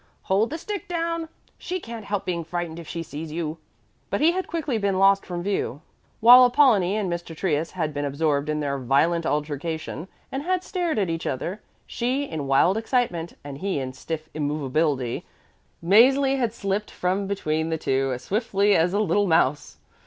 Hold the stick down. She can't help being frightened if she sees you." But he had quickly been lost from view. While Apollonie and Mr. Trius had been absorbed in their violent altercation and had stared at each other, she in wild excitement and he in stiff immovability, Mäzli had slipped from between the two as swiftly as a little mouse.